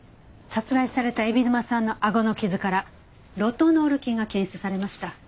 殺害された海老沼さんのあごの傷からロトノール菌が検出されました。